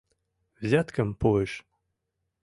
— Взяткым пуыш.